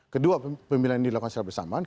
kedua pemilihan ini dilakukan secara bersamaan